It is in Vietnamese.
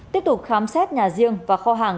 tiếp tục khám xét nhà riêng và kho hàng